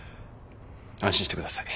安心してください。